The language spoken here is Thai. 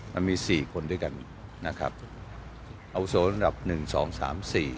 มันมีสี่คนด้วยกันนะครับเอาโสดระบบ๑๒๓๔